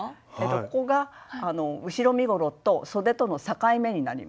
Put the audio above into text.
ここが後ろ身ごろとそでとの境目になります。